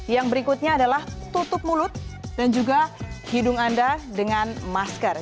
yang berikutnya adalah tutup mulut dan juga hidung anda dengan masker